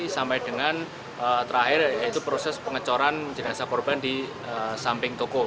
sampai dengan terakhir yaitu proses pengecoran jenazah korban di samping toko